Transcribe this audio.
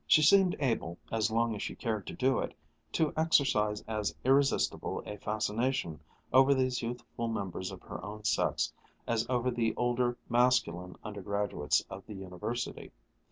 She seemed able, as long as she cared to do it, to exercise as irresistible a fascination over these youthful members of her own sex as over the older masculine undergraduates of the University.